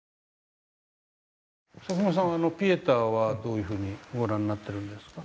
佐喜眞さんはあの「ピエタ」はどういうふうにご覧になってるんですか？